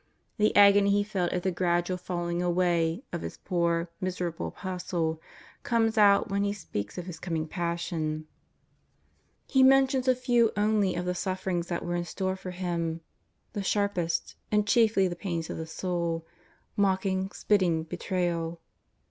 The agony He felt at the gradual falling away JESUS OF NAZAEETH. 279 of Hie poor, miserable Apostle comes out when He speaks of His coming Passion. He mentions a few only of the sufferings that were in store for Him, the sharpest, and chiefly the pains of the soul — mocking, spitting, betrayal.